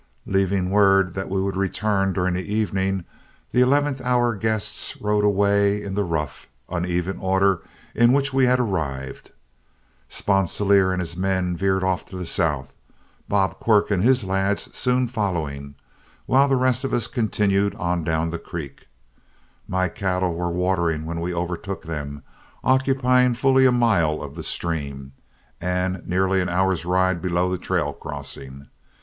Leaving word that we would return during the evening, the eleventh hour guests rode away in the rough, uneven order in which we had arrived. Sponsilier and his men veered off to the south, Bob Quirk and his lads soon following, while the rest of us continued on down the creek. My cattle were watering when we overtook them, occupying fully a mile of the stream, and nearly an hour's ride below the trail crossing.